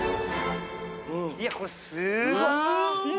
いやこれすごい。